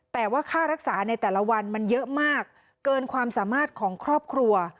แต่ว่าค่ารักษาในแต่ละวันมันเยอะมากเกินความสามารถของครอบครัว